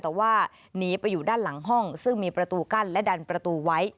แต่ว่าหนีไปอยู่ด้านหลังห้องซึ่งมีประตูกั้นและดันประตูไว้